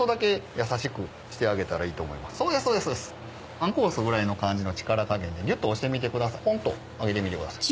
あんこを押すぐらいの感じの力加減でギュッと押してみてくださいポンッと上げてみてください。